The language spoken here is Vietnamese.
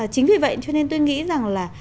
chính vì vậy cho nên tôi nghĩ rằng là